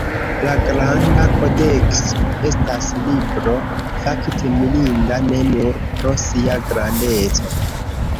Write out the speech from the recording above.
La Granda Kodekso estas libro fakte mirinda ne nur pro sia grandeco.